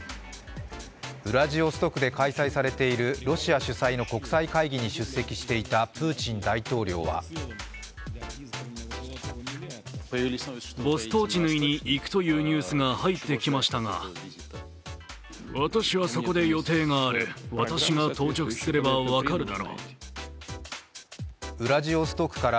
ウラジオストクで開催されているロシア主催の国際会議に出席してたプーチン大統領はウラジオストクから